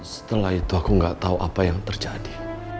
setelah itu aku nggak tahu apa yang terjadi